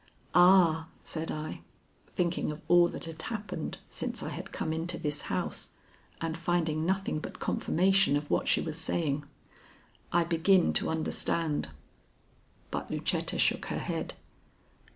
"Ah," said I, thinking of all that had happened since I had come into this house and finding nothing but confirmation of what she was saying, "I begin to understand." But Lucetta shook her head.